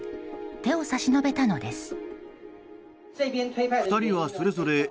手を差し伸べたのです。